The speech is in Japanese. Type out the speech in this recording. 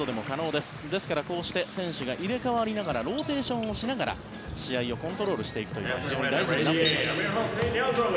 ですからこうして選手が入れ替わりながらローテーションをしながら試合をコントロールしていくというのも非常に大事になってきます。